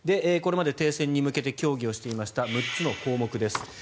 これまで停戦に向けて協議をしていました６つの項目です。